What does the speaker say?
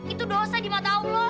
itu dosa di mata allah